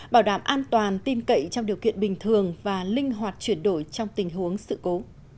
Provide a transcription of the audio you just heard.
bảo đảm an toàn tin cậy trong điều kiện bình thường và linh hoạt chuyển đổi trong tình huống sự cố